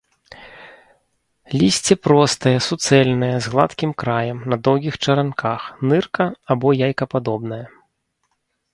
Лісце простае, суцэльнае, з гладкім краем, на доўгіх чаранках, нырка- або яйкападобнае.